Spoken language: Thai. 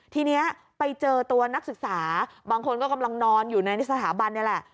ทีนี้ไปเจอตัวนักศึกษาบางคนก็กำลังนอนอยู่ในสถาบันนี่แหละ